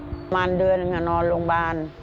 ประมาณเดือนก็นอนโรงบาล